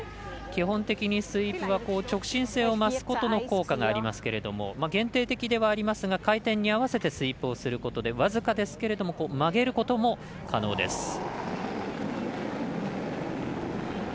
基本的にスイープは直進性を増す効果がありますけれども限定的ではありますが回転に合わせてスイープをすることで僅かですけれども曲げることも可能です。